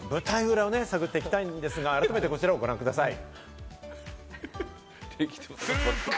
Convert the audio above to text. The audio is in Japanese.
その『ゴット・タレント』の舞台裏を探っていきたいんですが、改めてこちらをご覧ください。